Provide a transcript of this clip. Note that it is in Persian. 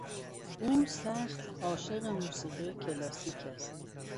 او سخت عاشق موسیقی کلاسیک است.